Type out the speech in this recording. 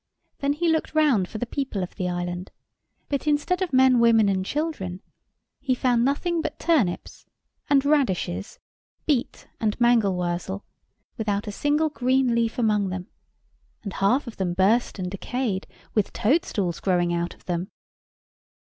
Then he looked round for the people of the island: but instead of men, women, and children, he found nothing but turnips and radishes, beet and mangold wurzel, without a single green leaf among them, and half of them burst and decayed, with toad stools growing out of them.